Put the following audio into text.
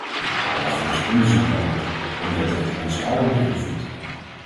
Daarvoor is onderzoek nodig, omdat dit ons allen beïnvloedt.